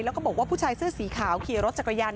แล้วก็บอกว่าผู้ชายเสื้อสีขาวขี่รถจักรยาน